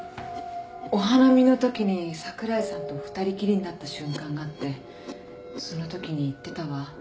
お花見のときに櫻井さんと２人きりになった瞬間があってそのときに言ってたわ。